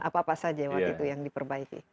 apa apa saja waktu itu yang diperbaiki